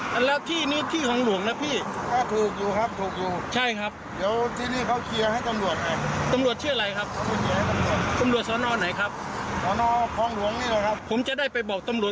ไม่ได้มาจอบไม่มาจอบ